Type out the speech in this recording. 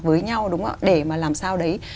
với nhau đúng không ạ để mà làm sao đấy